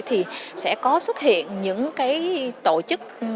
thì sẽ có xuất hiện những cái tổ chức